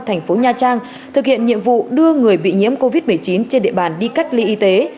thành phố nha trang thực hiện nhiệm vụ đưa người bị nhiễm covid một mươi chín trên địa bàn đi cách ly y tế